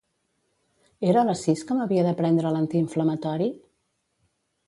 Era a les sis que m'havia de prendre l'antiinflamatori?